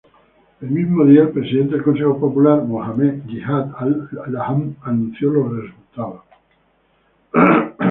El mismo día, el presidente del Consejo Popular, Mohammad Jihad al-Laham, anunció los resultados.